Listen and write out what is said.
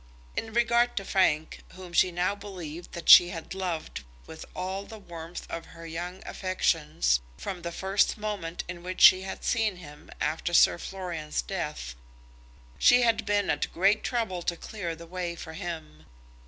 In regard to Frank, whom she now believed that she had loved with all the warmth of her young affections from the first moment in which she had seen him after Sir Florian's death, she had been at great trouble to clear the way for him.